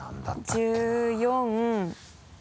１４。